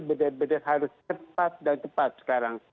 benar benar harus cepat dan cepat sekarang